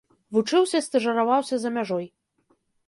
Вучыўся і стажыраваўся за мяжой.